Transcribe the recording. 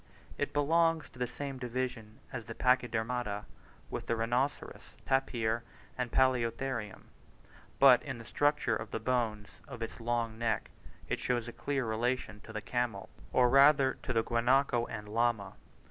It belongs to the same division of the Pachydermata with the rhinoceros, tapir, and palaeotherium; but in the structure of the bones of its long neck it shows a clear relation to the camel, or rather to the guanaco and llama.